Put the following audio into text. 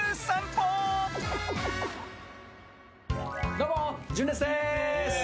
どうも純烈です。